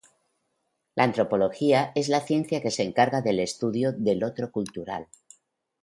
La antropología es la ciencia que se encarga del estudio del otro cultural.